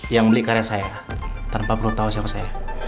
yang beli karya saya tanpa perlu tahu siapa saya